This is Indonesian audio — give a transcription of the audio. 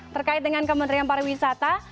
terkait dengan kementerian pariwisata